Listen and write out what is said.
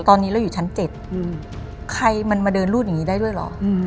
ตอนนี้เราอยู่ชั้น๗ใครมันมาเดินรูดอย่างนี้ได้ด้วยเหรอ